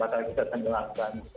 bakal kita tenggelamkan